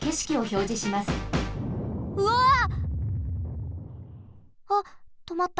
うわ！あっとまった。